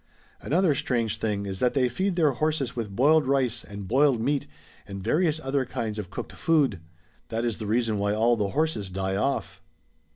Another strange thing is that they feed their horses with boiled rice and boiled meat, and various other kinds of cooked food. That is the reason why all the horses die ofF.